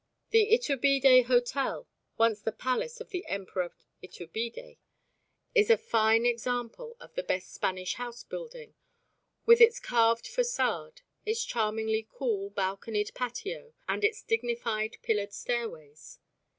The Iturbide Hotel once the palace of the Emperor Iturbide is a fine example of the best Spanish house building, with its carved façade, its charmingly cool, balconied patio and its dignified pillared stairways.